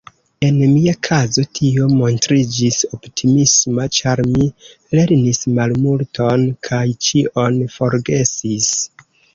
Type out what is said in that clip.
En mia kazo tio montriĝis optimisma, ĉar mi lerrnis malmulton kaj ĉion forgesis.